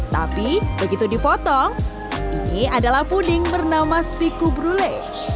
tapi begitu dipotong ini adalah puding bernama spiku brule